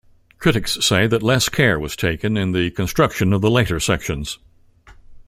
Critics say that less care was taken in the construction of the later sections.